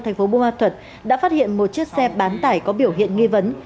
thành phố bùa thuật đã phát hiện một chiếc xe bán tải có biểu hiện nghi vấn